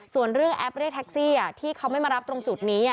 ส่วนเรื่องแอปเรียกแท็กซี่ที่เขาไม่มารับตรงจุดนี้